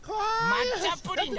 まっちゃプリンだね。